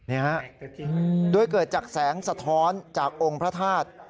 นี่ฮะโดยเกิดจากแสงสะท้อนจากองค์พระธาตุ